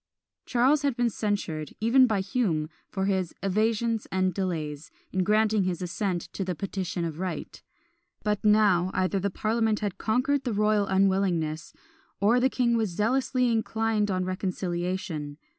Charles has been censured, even by Hume, for his "evasions and delays" in granting his assent to the "Petition of Right;" but now, either the parliament had conquered the royal unwillingness, or the king was zealously inclined on reconciliation.